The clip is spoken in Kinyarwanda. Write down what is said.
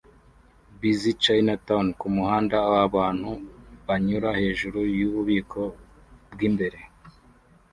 Busy ChinaTown kumuhanda aho abantu banyura hejuru yububiko bwimbere